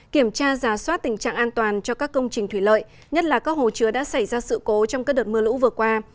kiểm tra giả soát tình trạng an toàn cho các công trình thủy lợi nhất là các hồ chứa đã xảy ra sự cố trong các đợt mưa lũ vừa qua